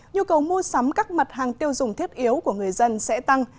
nhu cầu mua sắm các mặt hàng tiêu dùng thiết yếu của người dân sẽ tăng